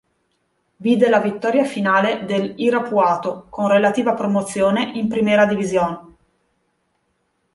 Vide la vittoria finale del Irapuato, con relativa promozione in Primera División.